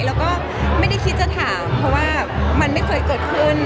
แล้วก็ไม่ได้คิดจะถามเพราะว่ามันไม่เคยเกิดขึ้น